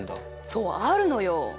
そうあるのよ。